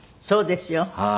そうですよ。